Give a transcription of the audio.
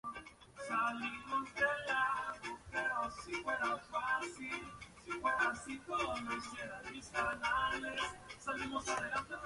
El tramo cruza el sitio arqueológico de Tiwanaku.